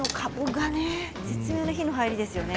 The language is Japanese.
絶妙な火の入り方ですよね。